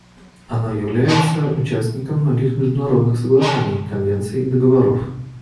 Оно является участником многих международных соглашений, конвенций и договоров.